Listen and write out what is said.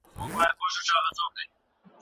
زه د خپل خزان په رنګیني کي تر بهار ښه یم.